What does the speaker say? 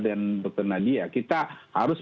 dengan dr nadia kita harus